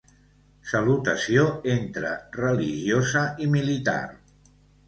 Salutació entre religiosa i militar.